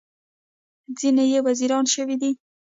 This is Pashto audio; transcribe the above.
ځینې یې وزیران شوي دي.